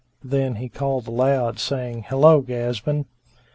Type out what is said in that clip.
Then he called aloud, saying, "Hello, Ghazbán!"